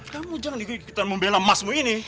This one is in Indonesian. kamu jangan lagi ikutan membela masmu ini